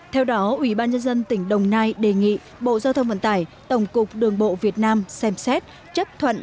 theo đó ubnd tỉnh đồng nai đề nghị bộ giao thông vận tải tổng cục đường bộ việt nam xem xét chấp thuận